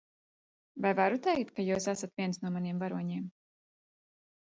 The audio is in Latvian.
Vai varu teikt, ka jūs esat viens no maniem varoņiem?